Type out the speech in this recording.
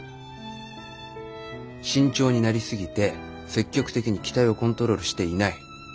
慎重になり過ぎて積極的に機体をコントロールしていない。